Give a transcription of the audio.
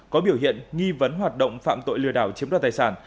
có biểu hiện nghi vấn hoạt động phạm tội lừa đảo chiếm đoạt tài sản